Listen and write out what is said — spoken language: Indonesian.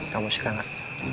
kamu suka gak